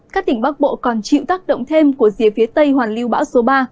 các tỉnh bắc bộ còn chịu tác động thêm của dìa phía tây hoàng lưu bão số ba